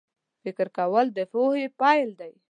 فکر کول د پوهې پیل دی